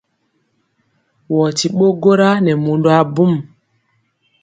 Wɔɔ ti ɓo gwora nɛ mundɔ abum.